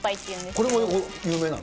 これも有名なの？